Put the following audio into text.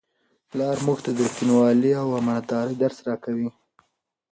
پلار موږ ته د رښتینولۍ او امانتدارۍ درس راکوي.